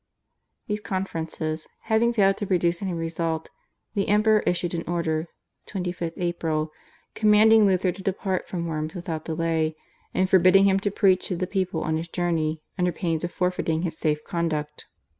These conferences having failed to produce any result the Emperor issued an order (25th April) commanding Luther to depart from Worms without delay, and forbidding him to preach to the people on his journey under pain of forfeiting his safe conduct.